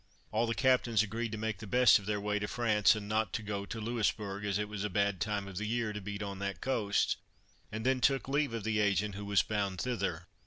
All the captains agreed to make the best of their way to France, and not to go to Louisbourg, as it was a bad time of the year to beat on that coast, and then took leave of the agent who was bound thither.